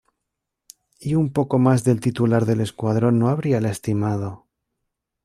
Y un poco más del titular del Escuadrón no habría lastimado.